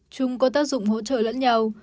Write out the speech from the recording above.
chúng có tác dụng hỗ trợ lẫn nhau